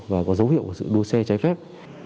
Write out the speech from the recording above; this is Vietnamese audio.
và có dấu hiệu của sự đua xe trái phép